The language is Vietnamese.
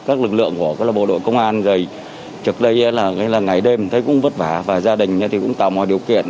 các lực lượng của bộ đội công an rồi trước đây là ngày đêm thấy cũng vất vả và gia đình thì cũng tạo mọi điều kiện